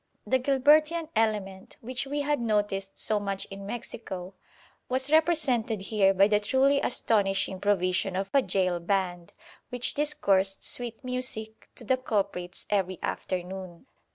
The Gilbertian element, which we had noticed so much in Mexico, was represented here by the truly astonishing provision of a gaol band, which discoursed sweet music to the culprits every afternoon.